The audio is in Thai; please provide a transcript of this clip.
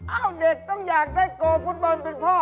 เด็กต้องอยากได้โกฟุตบอลเป็นพ่อ